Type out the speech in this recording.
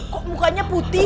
kok mukanya putih